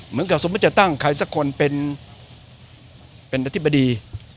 เหมือนกับสมมติจะตั้งใครสักคนเป็นอธิบดี